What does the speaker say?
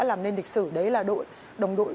làm nên lịch sử đấy là đội đồng đội